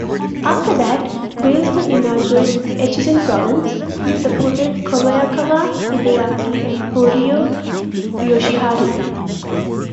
After that, based in Imajo, Echizen Province, he supported Kobayakawa Hideaki and Horio Yoshiharu.